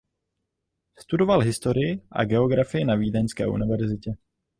Studoval historii a geografii na Vídeňské univerzitě.